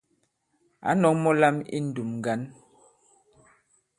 Ǎ nɔ̄k mɔ̄ lām I ǹndùm ŋgǎn.